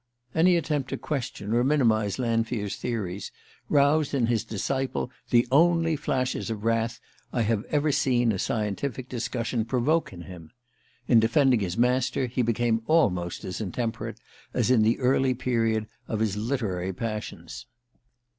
Any attempt to question or minimize Lanfear's theories roused in his disciple the only flashes of wrath I have ever seen a scientific discussion provoke in him. In defending his master he became almost as intemperate as in the early period of his literary passions.